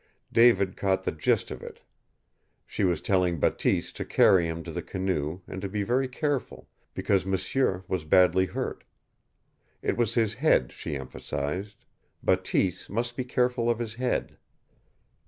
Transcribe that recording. David caught the gist of it. She was telling Bateese to carry him to the canoe, and to be very careful, because m'sieu was badly hurt. It was his head, she emphasized. Bateese must be careful of his head.